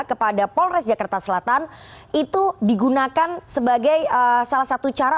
kepada polres jakarta selatan itu digunakan sebagai salah satu cara